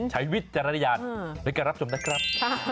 ใช้วิจารณญาและการรับชมนะครับ